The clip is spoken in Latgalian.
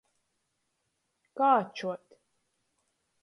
Kāčuot.